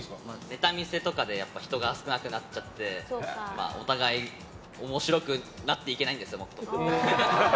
ネタ見せとかで人が少なくなっちゃってお互い面白くなっていけないんですよ。